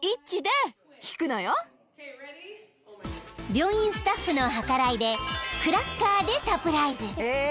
［病院スタッフの計らいでクラッカーでサプライズ］